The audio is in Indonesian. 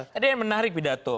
tadi yang menarik pidato